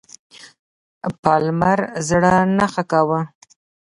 پالمر زړه نه ښه کاوه.